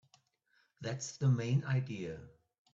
That's the main idea.